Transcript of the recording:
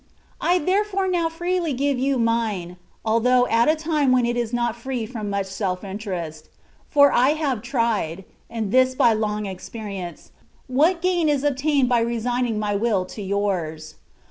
I therefore now freely give you mine (although at a time when it is not free from much self interest), for I have tried, and this by long experience, what gain is obtained by resigning my will to Yours.